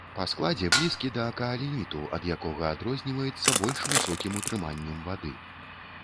Па складзе блізкі да каалініту, ад якога адрозніваецца больш высокім утрыманнем вады.